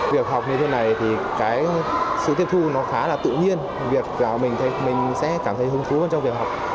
việc học như thế này thì sự tiếp thu nó khá là tự nhiên việc mình sẽ cảm thấy hứng thú trong việc học